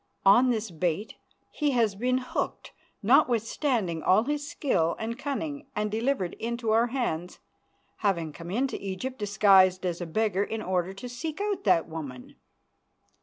On this bait he has been hooked, notwithstanding all his skill and cunning, and delivered into our hands, having come into Egypt disguised as a beggar in order to seek out that woman.